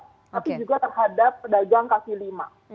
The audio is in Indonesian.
tapi juga terhadap pedagang kaki lima